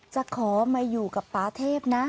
จะขอมาอยู่กับป่าเทพนะ